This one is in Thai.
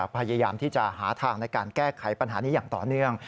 พยายามที่จะหาทางในการแก้ไขปัญหานี้อย่างต่อเนื่อง